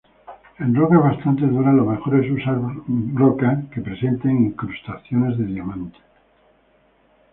En rocas bastante duras lo mejor es usar brocas que presenten incrustaciones de diamantes.